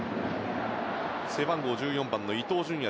背番号１４番の伊東純也。